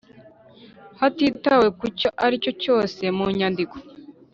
Hatitawe ku cyo ari cyo cyose mu nyandiko